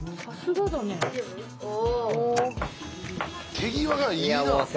手際がいいな。